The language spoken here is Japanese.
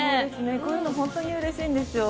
こういうのホントにうれしいんですよ。